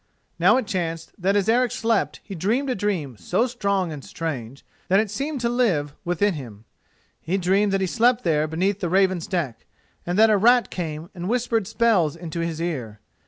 Now it chanced that as Eric slept he dreamed a dream so strong and strange that it seemed to live within him. He dreamed that he slept there beneath the Raven's deck, and that a rat came and whispered spells into his ear.